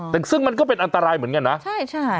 แต่ซึ่งมันก็เป็นอันตรายเหมือนกันนะใช่ใช่